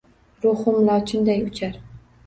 Ruhim lochinday uchar.